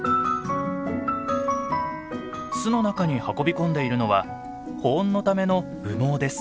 巣の中に運び込んでいるのは保温のための羽毛です。